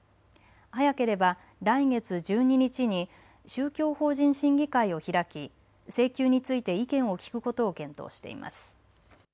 早ければ来月１２日に宗教法人審議会を開き請求について意見を聴くことを検討しています。